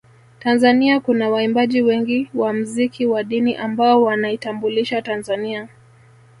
Tanzania kuna waimbaji wengi wa mziki wa dini ambao wanaitambulisha Tanzania